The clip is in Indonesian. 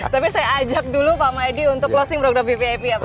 tapi saya ajak dulu pak maydi untuk closing program ppip ya pak ya